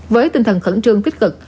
với tinh thần khẩn trương kích cực